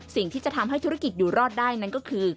สิ่งที่จะทำให้ธุรกิจอยู่รอดได้นั้นก็คือ